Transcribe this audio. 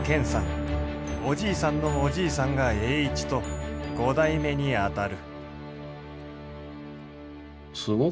おじいさんのおじいさんが栄一と五代目にあたる。